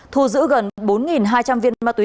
thu giữ gần bốn hai trăm linh viên ma túy